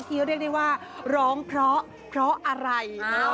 เรียกได้ว่าร้องเพราะเพราะอะไร